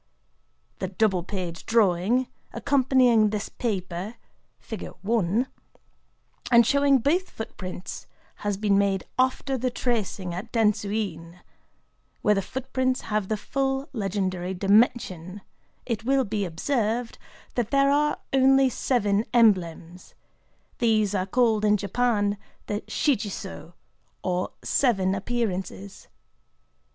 The double page drawing, accompanying this paper, and showing both footprints, has been made after the tracing at Dentsu In, where the footprints have the full legendary dimension, It will be observed that there are only seven emblems: these are called in Japan the Shichi Sō, or "Seven Appearances."